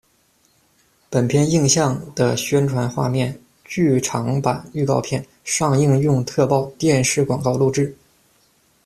本篇映像的宣传画面、剧场版预告片、上映用特报、电视广告录制。